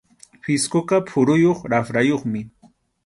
Pisquqa phuruyuq raprayuqmi.